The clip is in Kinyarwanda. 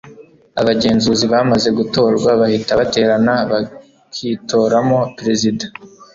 abagenzuzi bamaze gutorwa bahita baterana bakitoramo perezida